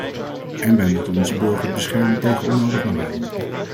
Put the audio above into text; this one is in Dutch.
En wij moeten onze burgers beschermen tegen onnodig lawaai.